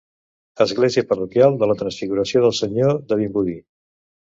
Església parroquial de la Transfiguració del Senyor de Vimbodí.